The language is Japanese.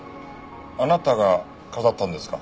あなたが飾ったんですか？